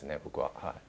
僕は。